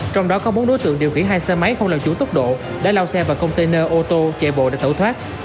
trong đó có bốn đối tượng điều khiển hai xe máy không làm chủ tốc độ đã lao xe vào container ô tô chạy bộ để tẩu thoát